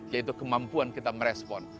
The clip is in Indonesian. yaitu kemampuan kita merespon